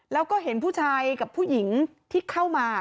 แล้วก็เห็นผู้ชายกับผู้หญิงที่เข้ามา